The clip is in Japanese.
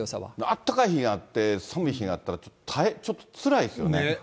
あったかい日があって寒い日があったら、ちょっとつらいですよね。